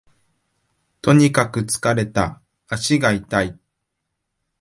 とにかく疲れた、足が痛い